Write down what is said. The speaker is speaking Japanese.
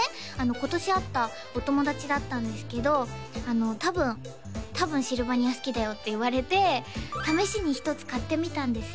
今年会ったお友達だったんですけど「多分シルバニア好きだよ」って言われて試しに一つ買ってみたんです